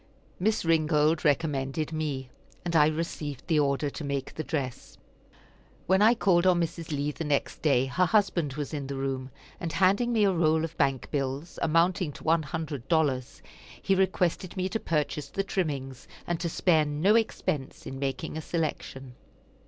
Miss Ringold recommended me, and I received the order to make the dress. When I called on Mrs. Lee the next day, her husband was in the room, and handing me a roll of bank bills, amounting to one hundred dollars, he requested me to purchase the trimmings, and to spare no expense in making a selection.